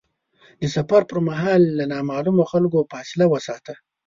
د سفر پر مهال له نامعلومو خلکو فاصله وساته.